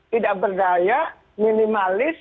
tidak berdaya minimalis